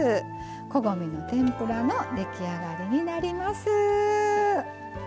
こごみの天ぷらの出来上がりになります。